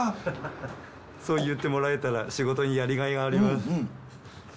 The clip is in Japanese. そう言ってもらえたら仕事にやりがいがあります。